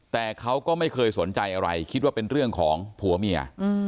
แต่เขาก็ไม่เคยสนใจอะไรคิดว่าเป็นเรื่องของผัวเมีย